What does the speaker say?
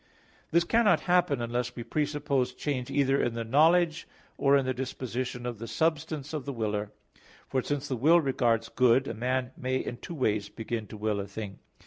This cannot happen, unless we presuppose change either in the knowledge or in the disposition of the substance of the willer. For since the will regards good, a man may in two ways begin to will a thing.